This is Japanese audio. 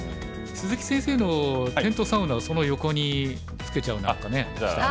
鈴木先生のテントサウナその横につけちゃうなんかして。